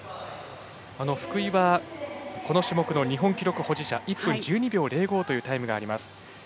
福井はこの種目の日本記録保持者１分１２秒０５というタイムがあります。